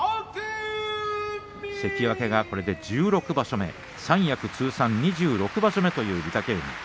関脇これで１６場所目三役通算２６場所目という御嶽海